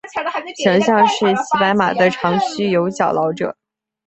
形象是骑白马的长须有角老者。